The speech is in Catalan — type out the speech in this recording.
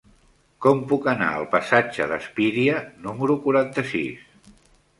Com puc anar al passatge d'Espíria número quaranta-sis?